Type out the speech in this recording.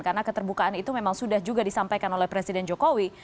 karena keterbukaan itu memang sudah juga disampaikan oleh presiden jokowi